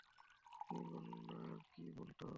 কী বলতো ও তোমাকে?